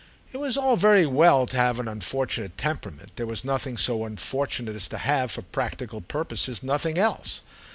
It was all very well to have an unfortunate temperament; there was nothing so unfortunate as to have, for practical purposes, nothing else.